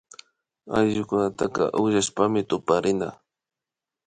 Ayllukunataka ukllashpami tuparina